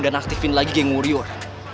dan aktifin lagi geng warrior